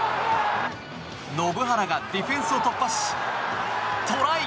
延原がディフェンスを突破しトライ！